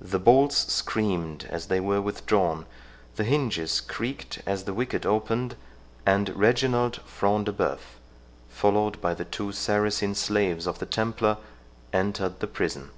The bolts screamed as they were withdrawn—the hinges creaked as the wicket opened, and Reginald Front de Bœuf, followed by the two Saracen slaves of the Templar, entered the prison.